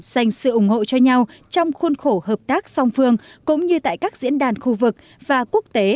dành sự ủng hộ cho nhau trong khuôn khổ hợp tác song phương cũng như tại các diễn đàn khu vực và quốc tế